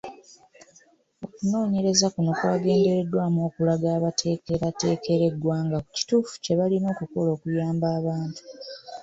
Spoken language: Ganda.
Okunoonyereza kuno kwagendereddwamu okulaga abateekerateekera eggwanga ku kituufu kye balina okukola okuyamba abantu.